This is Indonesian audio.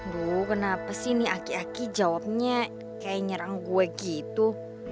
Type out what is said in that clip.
bu kenapa sih nih aki aki jawabnya kayak nyerang gue gitu